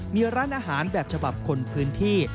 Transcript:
มีร้านอาหารแบบฉบับคนพื้นที่